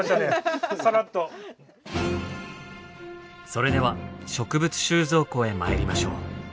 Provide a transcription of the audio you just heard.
それでは植物収蔵庫へ参りましょう。